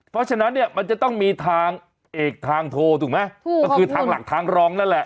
เพราะฉะนั้นเนี่ยมันจะต้องมีทางเอกทางโทรถูกไหมถูกก็คือทางหลักทางรองนั่นแหละ